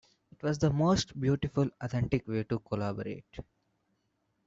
It was the most beautiful, authentic way to collaborate.